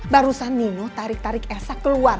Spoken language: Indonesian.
barusan nino tarik tarik esa keluar